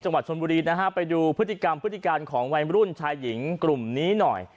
จังหวัดชนบุรีนะฮะไปดูพฤติกรรมพฤติการของวัยรุ่นชายหญิงกลุ่มนี้หน่อย